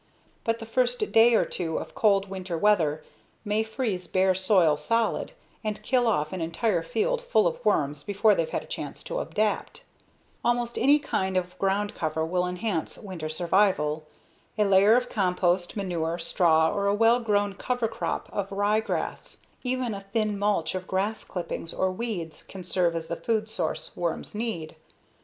But the first day or two of cold winter weather may freeze bare soil solid and kill off an entire field full of worms before they've had a chance to adapt. Almost any kind of ground cover will enhance winter survival. A layer of compost, manure, straw, or a well grown cover crop of ryegrass, even a thin mulch of grass clippings or weeds can serve as the food source worms need.